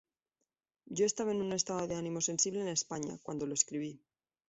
Yo estaba en un estado de ánimo sensible en España, cuando lo escribí.